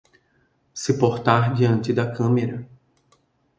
Se portar diante da câmera